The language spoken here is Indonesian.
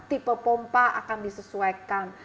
tipe pompa akan disesuaikan